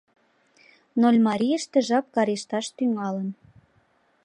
Нольмарийыште жап карешташ тӱҥалын.